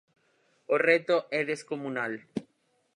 O reto é descomunal.